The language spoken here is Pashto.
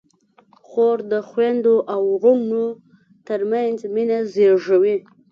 خور د خویندو او وروڼو ترمنځ مینه زېږوي.